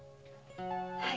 はい。